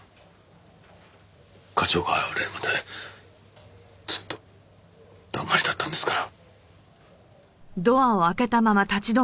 課長が現れるまでずっとだんまりだったんですから。